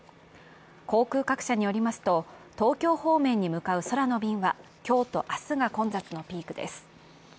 航空各社によりますと、東京方面に向かう空の便は今日と明日が混雑のピークです。